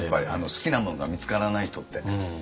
好きなものが見つからない人って。